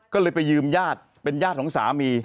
ก็เลยไปยืมญาติเป็นญาติของสามี